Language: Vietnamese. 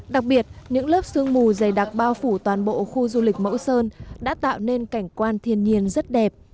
đặc biệt những lớp sương mù dày đặc bao phủ toàn bộ khu du lịch mẫu sơn đã tạo nên cảnh quan thiên nhiên rất đẹp